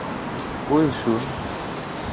Πού ήσουν;